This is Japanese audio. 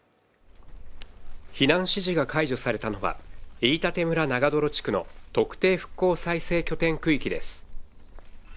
避難指示が解除されたのは、飯舘村長泥地区の特定復興再生拠点区域です。